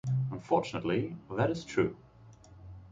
Unfortunately, that is true.